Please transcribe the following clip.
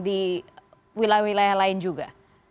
di wilayah wilayah lain juga